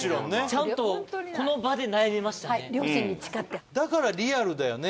ちゃんとこの場で悩みましたね。